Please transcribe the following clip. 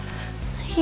ya udah yaudah